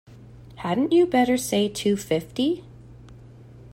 Hadn't you better say two fifty?